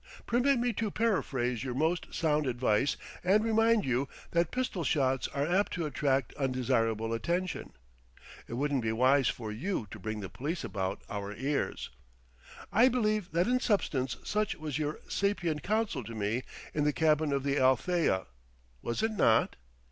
Permit me to paraphrase your most sound advice, and remind you that pistol shots are apt to attract undesirable attention. It wouldn't be wise for you to bring the police about our ears. I believe that in substance such was your sapient counsel to me in the cabin of the Alethea; was it not?...